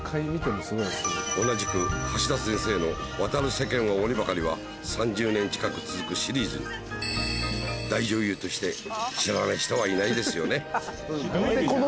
同じく橋田先生の『渡る世間は鬼ばかり』は３０年近く続くシリーズに大女優として知らない人はいないですよね